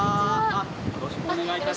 よろしくお願いします。